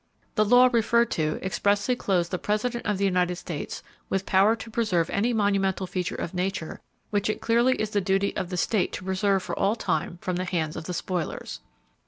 The law referred to expressly clothes the President of the United States with power to preserve any monumental feature of nature which it clearly is the duty of the state to preserve for all time from the hands of the spoilers.